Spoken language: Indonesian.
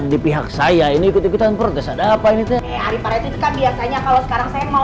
di pihak saya ini ikutan protes ada apa ini teh adik adik kan biasanya kalau sekarang saya mau